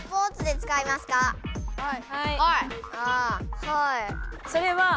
はい。